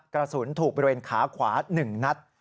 กระสุนถูกบริเวณขาขวา๑นัด